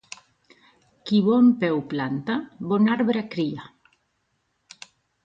Qui bon peu planta, bon arbre cria.